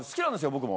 僕も。